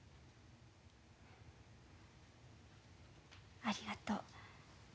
ありがとう。